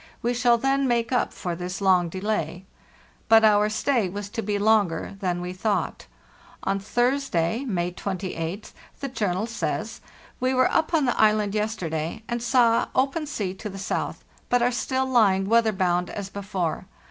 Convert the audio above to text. We shall then make up for this long delay." But our stay was to be longer than we thought. On Thursday, May 28th, the journal says: "We were up on the island yesterday, and saw open sea to the south, but are still lying weather bound as before.